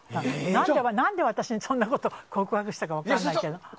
何で私にそんなことを告白したか分からないけど。